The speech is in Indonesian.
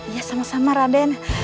ya sama sama raden